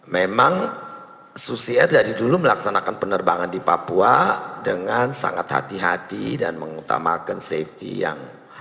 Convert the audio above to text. memang susi air dari dulu melaksanakan penerbangan di papua dengan sangat hati hati dan mengutamakan safety yang